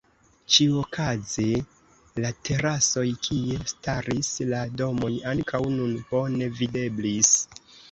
Ĉiuokaze la terasoj kie staris la domoj ankaŭ nun bone videblis.